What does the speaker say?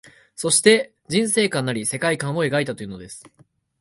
そして、人世観なり世界観を描いたというのです